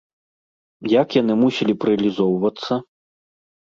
Як яны мусілі б рэалізоўвацца?